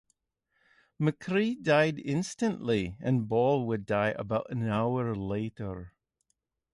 McCree died instantly, and Ball would die about an hour later.